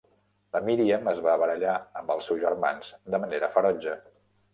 La Míriam es va barallar amb els seus germans de manera ferotge.